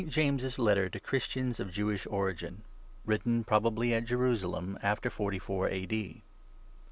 JAMES'S LETTER TO CHRISTIANS OF JEWISH ORIGIN. WRITTEN PROBABLY AT JERUSALEM AFTER 44 A.D.